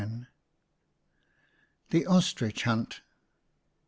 XV. THE OSTRICH HUNT.